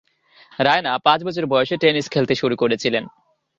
রায়না পাঁচ বছর বয়সে টেনিস খেলতে শুরু করেছিলেন।